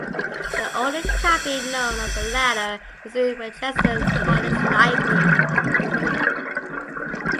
The only copy known of the latter is in Winchester College library.